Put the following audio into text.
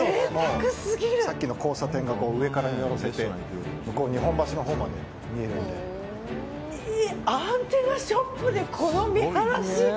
さっきの交差点が上から見下ろせて日本橋のほうまでアンテナショップでこの見晴らし！